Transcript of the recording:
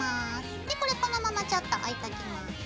でこれこのままちょっと置いときます。